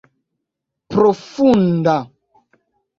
profunda